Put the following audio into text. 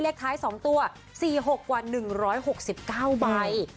เลขท้าย๒ตัว๔๖กว่า๑๖๙ใบ